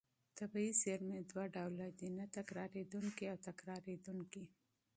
طبیعي زېرمې دوه ډوله دي: نه تکرارېدونکې او تکرارېدونکې.